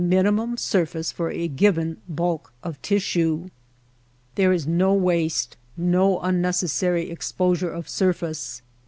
minimum surface for a given bulk of tissue.* There is no waste, no unnecessary exposure of surface.